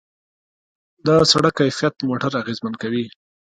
د سړک کیفیت موټر اغېزمن کوي.